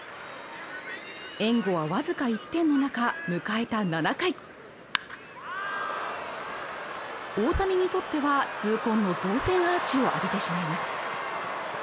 援護は僅か１点の中迎えた７回大谷にとっては痛恨の同点アーチを浴びてしまいます